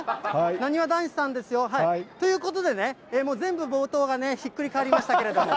なにわ男子さんですよ。ということで、もう全部冒頭がひっくり返りましたけれども。